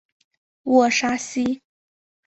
沃沙西。